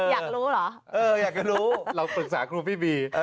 อยากรู้เหรอเอออยากจะรู้เราปรึกษาครูพี่บี